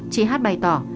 chị h bày tỏ